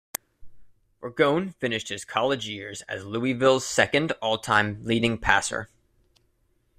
Ragone finished his college years as Louisville's second all-time leading passer.